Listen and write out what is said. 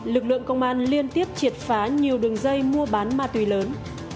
lực lượng công an liên tiếp triệt phá nhiều đường dây mua bán ma túy lớn